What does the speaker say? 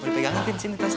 boleh pegangin tim sini tas